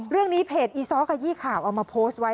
เรื่องนี้เพจอีซ้อขยี้ข่าวเอามาโพสต์ไว้